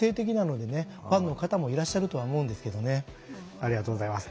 ありがとうございます。